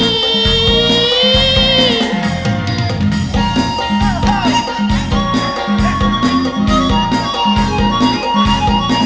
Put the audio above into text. ไม่แพงหรอกพี่